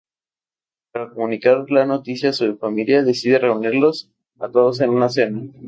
Para comunicar la noticia a su familia, decide reunirlos a todos en una cena.